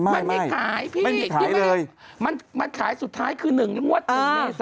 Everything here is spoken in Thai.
ไม่ไม่มีขายพี่มันแค่สุดท้ายคือ๑เมศ